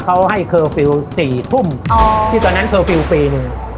เขาให้เคอร์ฟิลล์๔ทุ่มที่ตอนนั้นเคอร์ฟิลล์ปีหนึ่ง